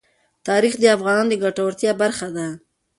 تاریخ د افغانانو د ګټورتیا برخه ده.